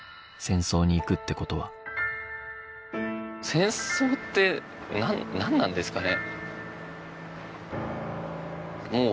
戦争ってなんなんですかね？